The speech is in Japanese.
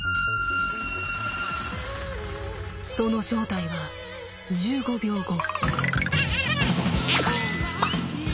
その正体は１５秒後。